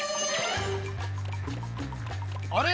あれ？